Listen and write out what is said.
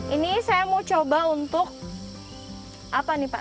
ini saya mau coba untuk apa nih pak